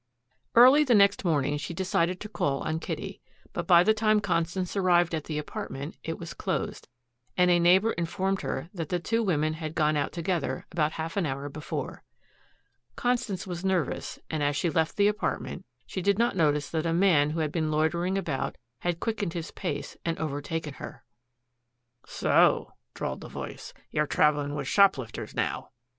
Early the next morning she decided to call on Kitty, but by the time Constance arrived at the apartment it was closed, and a neighbor informed her that the two women had gone out together about half an hour before. Constance was nervous and, as she left the apartment, she did not notice that a man who had been loitering about had quickened his pace and overtaken her. "So," drawled a voice, "you're traveling with shoplifters now."